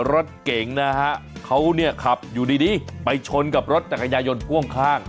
รถเก่งนะฮะเขาเนี่ยขับอยู่ดีไปชนกับรถจักรยายนพ่วงข้าง